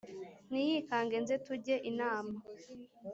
ntiyikange nze tujye inama